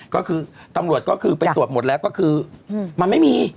ก็คือตำรวจก็คือไปตรวจหมดแล้วก็คือมันไม่มี